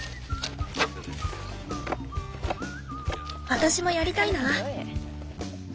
私もやりたいな。